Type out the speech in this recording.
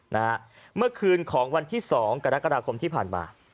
เมื่อคืนของวันที่สองกรกฎาคมที่ผ่านมา